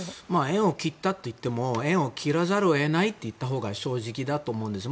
縁を切ったといっても縁を切らざるを得ないと言ったほうが正直だと思うんです。